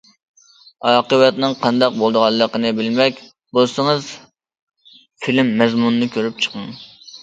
ئاقىۋەتنىڭ قانداق بولىدىغانلىقىنى بىلمەك بولسىڭىز فىلىم مەزمۇنىنى كۆرۈپ چىقىڭ.